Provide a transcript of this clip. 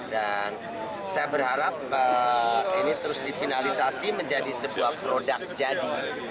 dan saya berharap ini terus difinalisasi menjadi sebuah produk jadi